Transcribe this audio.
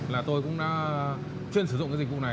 là tôi cũng đã chuyên sử dụng cái dịch vụ này